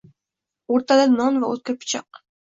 O‘rtada non va o‘tkir pichoq…